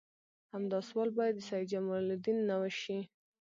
همدا سوال باید د سید جمال الدین نه وشي.